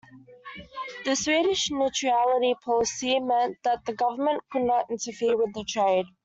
The Swedish neutrality policy meant that the government could not interfere with the trade.